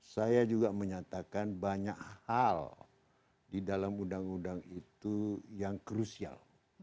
saya juga menyatakan banyak hal di dalam undang undang itu yang krusial